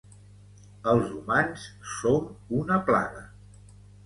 Els humans som una plaga.